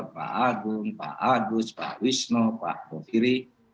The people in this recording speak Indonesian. pak agung pak agus pak wisno pak kofiri